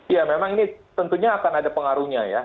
ya memang ini tentunya akan ada pengaruhnya ya